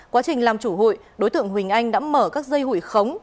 quá trình làm chủ hội đối tượng huỳnh anh đã mở các dây hội khống